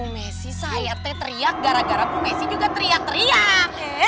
ibu messi saya teriak gara gara ibu messi juga teriak teriak